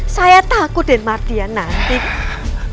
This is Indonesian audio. saya takut den mardian nanti